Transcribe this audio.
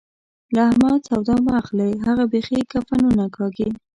له احمده سودا مه اخلئ؛ هغه بېخي کفنونه کاږي.